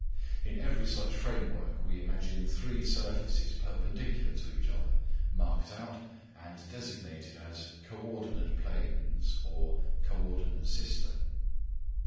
In every such framework we imagine three surfaces perpendicular to each other marked out, and designated as " co ordinate planes "(" co ordinate system